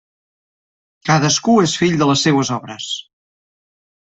Cadascú és fill de les seues obres.